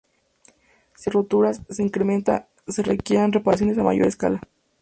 Si el número de roturas se incrementa se requerirán reparaciones a mayor escala.